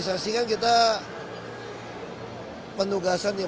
jadi saya juga mungkin bisa mengambil alih dari itu